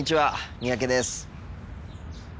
三宅です。